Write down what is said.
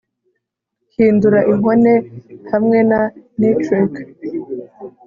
hindura inkone, hamwe na nitric